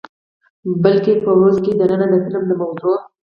بلکې په روس کښې دننه د فلم د موضوع،